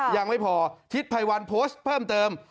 ยังไม่พอทิศภัยวันโพสต์เพิ่มเติม